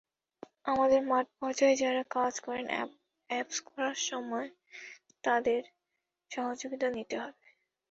আমাদেরসহ মাঠপর্যায়ে যাঁরা কাজ করেন অ্যাপস করার সময় তাঁদের সহযোগিতা নিতে হবে।